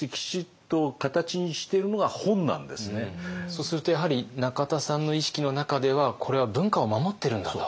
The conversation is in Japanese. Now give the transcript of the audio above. そうするとやはり中田さんの意識の中ではこれは文化を守ってるんだと。